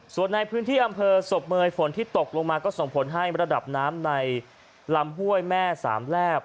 ส่วนในพื้นที่อำเภอศพเมยฝนที่ตกลงมาก็ส่งผลให้ระดับน้ำในลำห้วยแม่สามแลบ